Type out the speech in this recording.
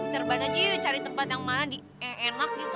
dicarban aja yuk cari tempat yang enak gitu